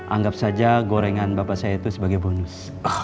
anggap saja gorengan bapak saya itu sebagai bonus